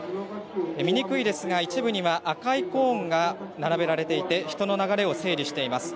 見にくいですが一部には赤いコーンが並べられていて人の流れを整理しています。